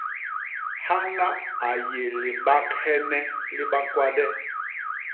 Hana a yé libaghene li bakwade.